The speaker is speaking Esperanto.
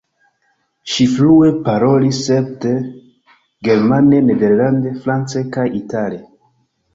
Ŝi flue parolis svede, germane, nederlande, france kaj itale.